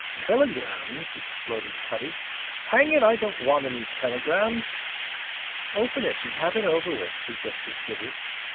"Telegrams!" exploded Cutty. "Hang it, I don't want any telegrams!" "Open it and have it over with," suggested Kitty.